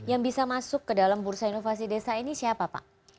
yang bisa masuk ke dalam bursa inovasi desa ini siapa pak